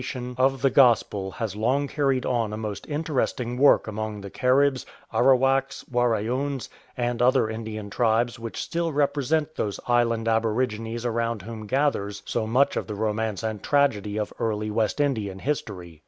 229 THE TRIBES OF GUIANA of the Gospel has long carried on a most interesting work among the Caribs, Arawaks, Waraoons, and other Indian tribes which still represent those island aborigines around whom gathers so much of the romance and tragedy of early West Indian history.